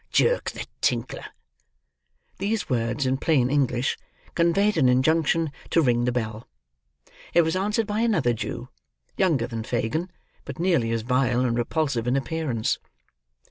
Jerk the tinkler." These words, in plain English, conveyed an injunction to ring the bell. It was answered by another Jew: younger than Fagin, but nearly as vile and repulsive in appearance.